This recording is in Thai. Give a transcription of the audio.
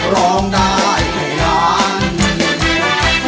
ร้องได้ให้ล้าน